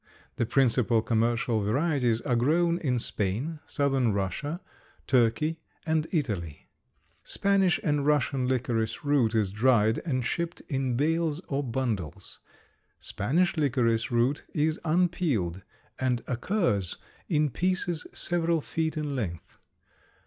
The principal commercial varieties are grown in Spain, southern Russia, Turkey and Italy. Spanish and Russian licorice root is dried and shipped in bales or bundles. Spanish licorice root is unpeeled and occurs in pieces several feet in length.